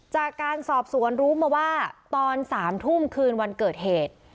จากการสอบสวนรู้มาว่าตอน๓ทุ่มคืนวันเกิดเหตุ